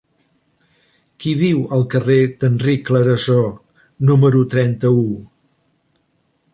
Qui viu al carrer d'Enric Clarasó número trenta-u?